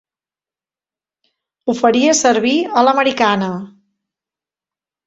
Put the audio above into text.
Ho faria servir a l'americana.